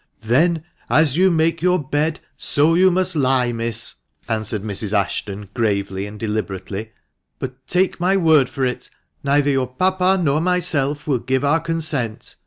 Then as you make your bed, so must you lie, miss" answered Mrs. Ashton, gravely and deliberately. " But take my word for it, neither your papa nor myself will give our consent.